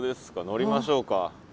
乗りましょうか。